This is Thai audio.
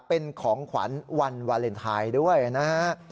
เป็นของขวัญวันวาเลนไทยด้วยนะฮะ